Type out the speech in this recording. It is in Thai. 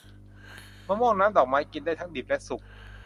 มะม่วงน้ำดอกไม้ กินได้ทั้งดิบและสุก